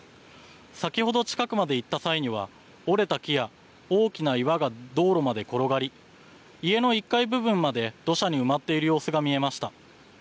先ほど、近くまで行った際には、折れた木や大きな岩が道路まで転がり、家の１階部分まで土砂に埋まっている様子が見えました。